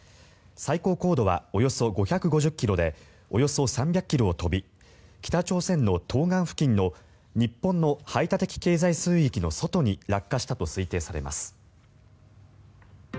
最高高度は、およそ５５０ｋｍでおよそ３００ｋｍを飛び北朝鮮の東岸付近の日本の排他的経済水域の外に落下したと推定されます。